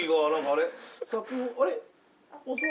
あれ？